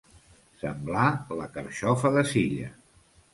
Semblar la carxofa de Silla.